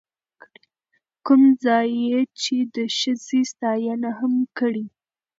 کوم ځاى يې چې د ښځې ستاينه هم کړې،،